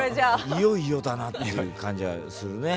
いよいよだなっていう感じがするね。